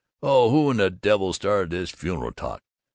Oh, who the devil started this funeral talk?